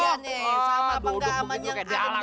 sama penggaman yang ada di dalam amplop nih